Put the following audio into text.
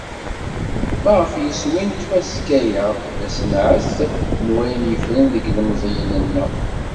Ma ɣef yiswi n tfaska-a, d asenεet n wayen yeffren deg yilemẓiyen-nneɣ.